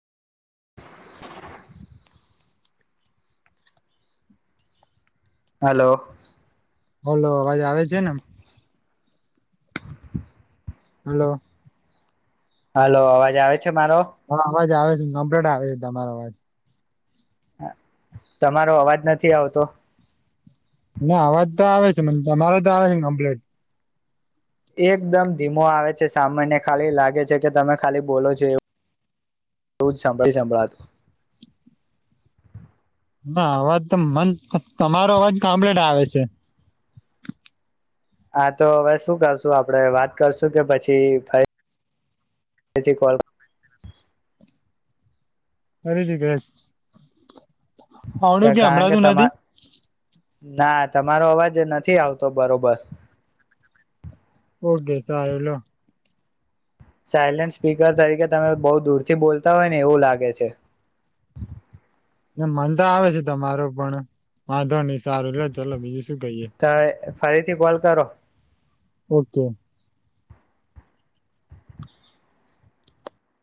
[inaudible] હ [unintelligible] hello. Hello અવાજે આવે છે ને એમ. હલોો. હાલો અવાજ આવે. છે મારો હ આવાજ આવે છે. [unintelligible] [inaudible] તમારો અવાજ નથી આવતો. ના અવાજ તો આવે છે, [unintelligible] તમારો તો આવે છે, ને કમ્પ્લેટ. એકદમ ધીમો આવે છે, સામાન્ય ખાલી લાગે છે, કે તમે ખાલી બોલો છો એવ એવુ [unintelligible] સંભળાતું ના અવાજ તો મન તમારો અવાજ કમ્પ્લીટ આવે છે. હા તો હવે શું કરશું આપડે વાત કરશું કે પછી [unintelligible] [inaudible] આવડું કે કારણ હમણાં [unintelligible] તમા નથી. ના તમારો અવાજ નથી આવતો બરોબર. ઓકે [unintelligible] સાયલેન્ટ સ્પીકર તરીકે તમે બહુ દૂરથી બોલતા હોય ને એવું લાગે છે. એ મન તો આવે છે, તમારો પણ વાંધો સારું [unintelligible] બીજું શું કહીએ [inaudible] ફરીથી કોલ કરો. ઓકે.